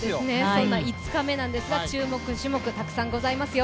そんな５日目なんですが注目種目、たくさんありますよ。